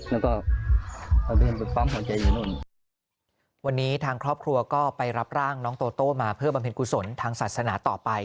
แล้วก็บริเวณปกป้อมหัวใจอยู่นู่นวันนี้ทางครอบครัวก็ไปรับร่างน้องโตโต้มาเพื่อบำเพ็ญกุศลทางศาสนาต่อไป